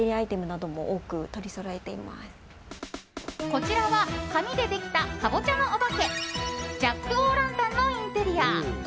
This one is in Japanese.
こちらは、紙でできたカボチャのお化けジャック・オー・ランタンのインテリア。